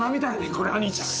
これは兄ちゃん。